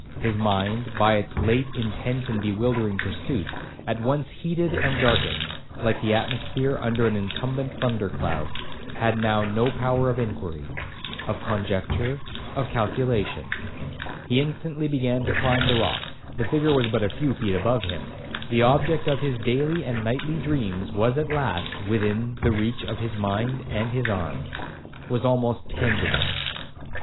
His mind, by its late intense and bewildering pursuits, at once heated and darkened, like the atmosphere under an incumbent thunder cloud, had now no power of inquiry, of conjecture, or of calculation. He instantly began to climb the rock,—the figure was but a few feet above him,—the object of his daily and nightly dreams was at last within the reach of his mind and his arm,—was almost tangible.